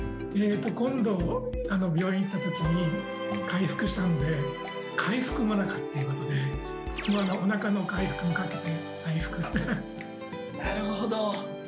今度、病院行ったときに、回復したんで、かいふく最中っていうことで、おなかの開腹にかけて、なるほど。